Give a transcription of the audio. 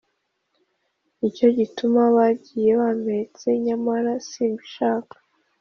ni cyo gituma bagiye bampetse! Nyamara simbishaka